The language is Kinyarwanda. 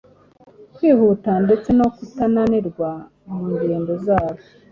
kwihuta ndetse no kutananirwa mu ngendo zabo,